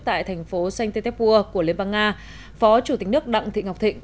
tại thành phố sanh tây tép vua của liên bang nga phó chủ tịch nước đặng thị ngọc thịnh